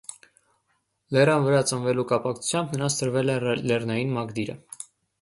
Լեռան վրա ծնվելու կապակցությամբ նրանց տրվել է «լեռնային» մակդիրը։